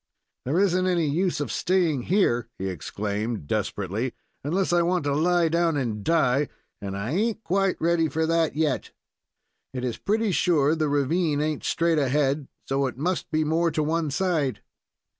"There isn't any use of staying here," he exclaimed, desperately, "unless I want to lie down and die, and I ain't quite ready for that yet. It is pretty sure the ravine ain't straight ahead, so it must be more to one side."